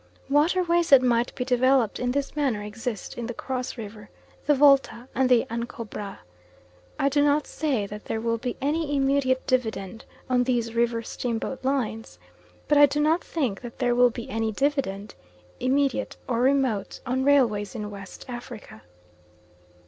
Waterways that might be developed in this manner exist in the Cross River, the Volta, and the Ancobra. I do not say that there will be any immediate dividend on these river steamboat lines, but I do not think that there will be any dividend, immediate or remote, on railways in West Africa.